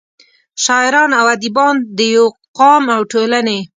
شاعران او اديبان دَيو قام او ټولنې